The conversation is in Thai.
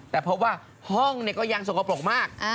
แต่พบว่าห้องก็ยังสกปรกมาก